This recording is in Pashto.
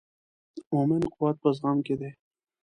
د مؤمن قوت په زغم کې دی.